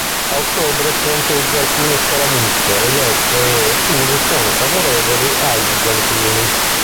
A ottobre fronteggia alcune scaramucce e Lecce e Ostuni sono favorevoli ai bizantini.